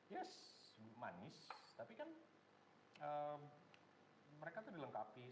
yes manis tapi kan mereka tuh dilengkapi